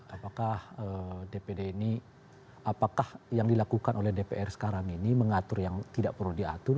apakah dpd ini apakah yang dilakukan oleh dpr sekarang ini mengatur yang tidak perlu diatur